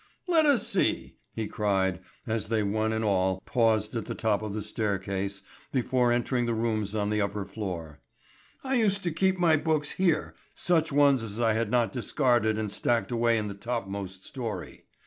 "Let us see," he cried, as they one and all paused at the top of the staircase, before entering the rooms on the upper floor. "I used to keep my books here—such ones as I had not discarded and stacked away in the topmost story.